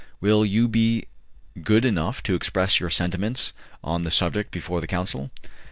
"Will you be good enough to express your sentiments on the subject before the council?"